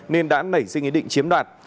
nên đã nảy suy nghĩ định chiếm đoạt